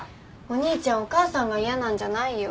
お兄ちゃんお母さんが嫌なんじゃないよ。